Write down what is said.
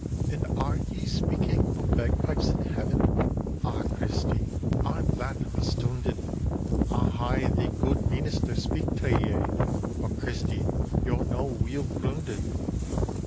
"And are ye speaking o' bagpipes in Heaven? Ah, Christy, I'm that astoonded I'll hae the guid meenister speak tae ye, For, Christy, ye're no weel groonded."